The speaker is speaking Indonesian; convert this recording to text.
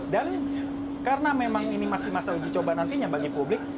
dan karena memang ini masih masa uji coba nantinya bagi publik